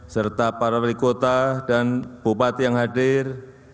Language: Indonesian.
serta para wali kota dan bupati yang hadir